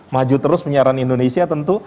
maju terus penyiaran indonesia tentu